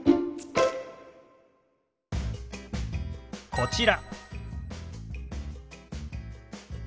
こちら。